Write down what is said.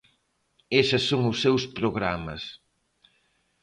Eses son os seus programas.